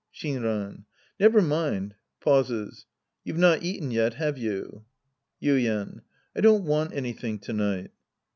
Shinran, Never mind. (Pauses.) You've not eaten yet, have you ? Y2nen. I don't want anything to night.